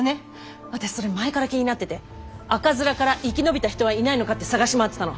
私それ前から気になってて赤面から生き延びた人はいないのかって探し回ってたの！